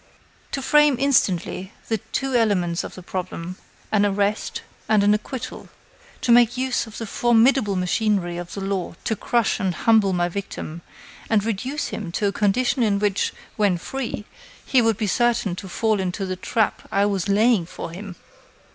To frame, instantly, the two elements of the problem an arrest and an acquittal; to make use of the formidable machinery of the law to crush and humble my victim, and reduce him to a condition in which, when free, he would be certain to fall into the trap I was laying for him!"